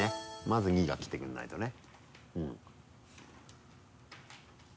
まず「２」が来てくれないとね。